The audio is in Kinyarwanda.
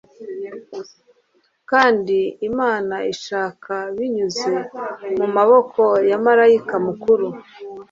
Kandi Imana ishaka binyuze mumaboko ya Malayika mukuru